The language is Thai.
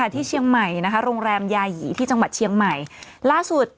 ที่เล่อดี้หยุดเดี๋ยวพี่เมย์ไปล่าสุด